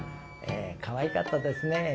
かわいかったですね。